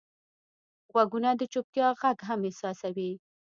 غوږونه د چوپتیا غږ هم احساسوي